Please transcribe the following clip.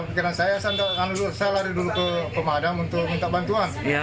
pikiran saya lari dulu ke pemadam untuk minta bantuan